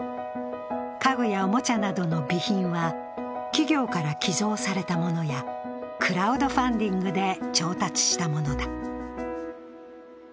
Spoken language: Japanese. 家具やおもちゃなどの備品は企業から寄贈されたものやクラウドファンディングで調達したものだ。